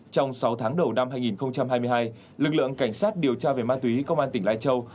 trong sáu tháng đầu năm hai nghìn hai mươi hai lực lượng cảnh sát điều tra về ma túy công an tỉnh lai châu